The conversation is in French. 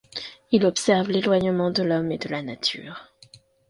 Il observe l'éloignement de l'homme et de la nature.